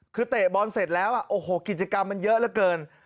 คือเตะบอลเสร็จแล้วโอ้โหกิจกรรมมันเยอะเหลือเกิน